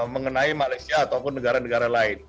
mengenai malaysia ataupun negara negara lain